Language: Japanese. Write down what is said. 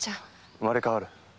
生まれ変わる。